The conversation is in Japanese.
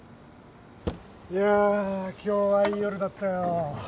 いや今日はいい夜だったよ。